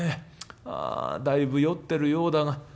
ああだいぶ酔ってるようだが。